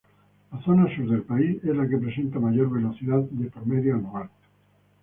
La zona sur del país es la que presenta mayor velocidad promedio anual.